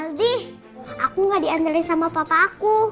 aldi aku gak diandalin sama papa aku